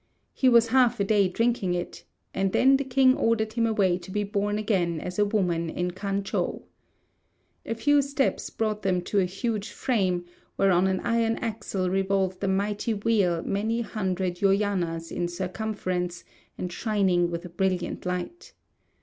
He was half a day drinking it, and then the king ordered him away to be born again as a woman in Kan chou. A few steps brought them to a huge frame, where on an iron axle revolved a mighty wheel many hundred yojanas in circumference, and shining with a brilliant light.